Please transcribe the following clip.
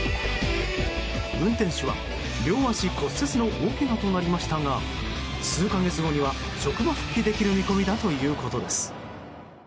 運転手は両足骨折の大けがとなりましたが数か月後には職場復帰できる見込みだということです。